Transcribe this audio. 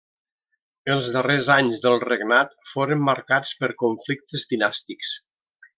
Els darrers anys del regnat foren marcats per conflictes dinàstics.